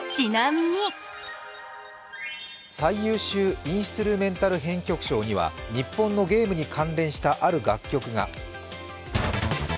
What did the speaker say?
最優秀インストゥルメンタル編曲賞には日本のゲームに関連したある楽曲が。